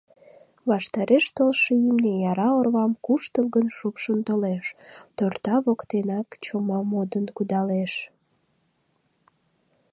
Ваштареш толшо имне яра орвам куштылгын шупшын толеш, торта воктенак чома модын кудалеш.